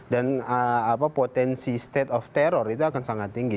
potensi state of terror itu akan sangat tinggi